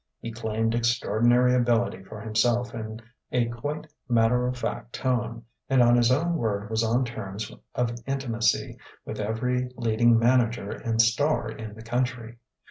He claimed extraordinary ability for himself in a quite matter of fact tone, and on his own word was on terms of intimacy with every leading manager and star in the country.